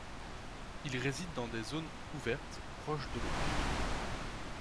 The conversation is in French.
Il réside dans des zones ouvertes proches de l'eau.